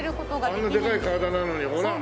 あんなでかい体なのにほら。